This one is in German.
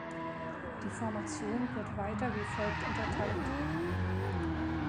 Die Formation wird weiter wie folgt unterteilt.